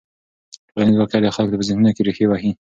ټولنیز واقیعت د خلکو په ذهنونو کې رېښې وهي.